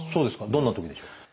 どんなときでしょう？